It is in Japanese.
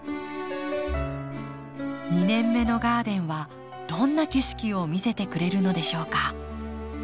２年目のガーデンはどんな景色を見せてくれるのでしょうか？